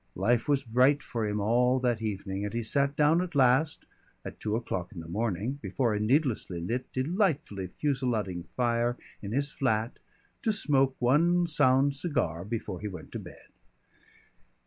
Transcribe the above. Life was bright for him all that evening, and he sat down at last, at two o'clock in the morning, before a needlessly lit, delightfully fusillading fire in his flat to smoke one sound cigar before he went to bed.